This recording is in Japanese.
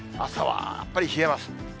朝はやっぱり冷えます。